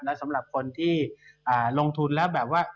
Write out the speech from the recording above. และสำหรับคนที่ลงทุนแล้วแบบว่า